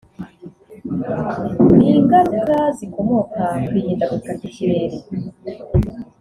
n’ingaruka zikomoka ku ihindagurika ry’ikirere